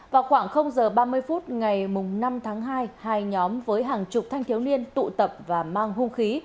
vào khoảng giờ ba mươi phút ngày năm tháng hai hai nhóm với hàng chục thanh thiếu niên tụ tập và mang hung khí